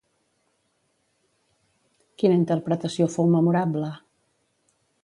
Quina interpretació fou memorable?